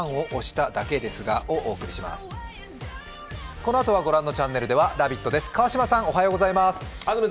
このあとは御覧のチャンネルでは「ラヴィット！」です。